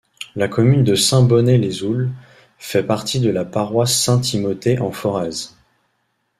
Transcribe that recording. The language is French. La commune de Saint-Bonnet-les-Oules fait partie de la paroisse Saint-Timothée en Forez.